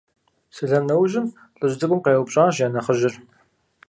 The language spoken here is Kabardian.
Сэлам нэужьым лӀыжь цӀыкӀум къеупщӀащ я нэхъыжьыр.